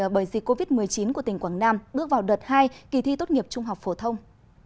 bởi dịch covid một mươi chín của tỉnh quảng nam bước vào đợt hai kỳ thi tốt nghiệp trung học phổ thông